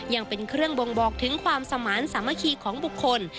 ยังเป็นเครื่องบ่งบอกถึงความสมาร์ทสามัคคีของบุคคล